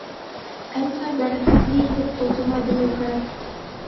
Әммә бәрәкәтле итеп тотона белеү кәрәк.